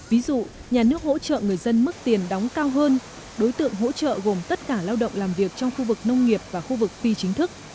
ví dụ nhà nước hỗ trợ người dân mức tiền đóng cao hơn đối tượng hỗ trợ gồm tất cả lao động làm việc trong khu vực nông nghiệp và khu vực phi chính thức